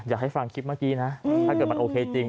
อยากให้ฟังคลิปเมื่อกี้นะถ้าเกิดมันโอเคจริง